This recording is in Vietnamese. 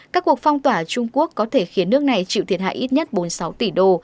các cuộc phong tỏa trung quốc có thể khiến nước này chịu thiệt hại ít nhất bốn mươi sáu tỷ đô